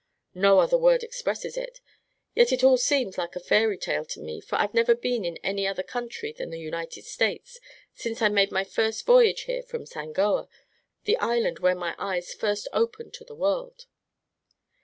"No other word expresses it. Yet it all seems like a fairy tale to me, for I've never been in any other country than the United States since I made my first voyage here from Sangoa the island where my eyes first opened to the world."